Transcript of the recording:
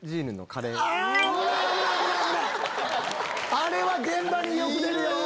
あれは現場によく出るよ。